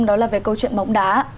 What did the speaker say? đó là về câu chuyện bóng đá